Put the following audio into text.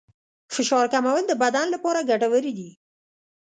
فشار کمول د بدن لپاره ګټور دي.